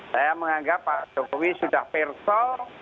saya menganggap pak jokowi sudah fair